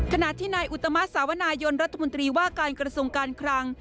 ขณะที่นายอุตมะสาวนายนรัฐมนตรีว่าการกระทรวงการคลัง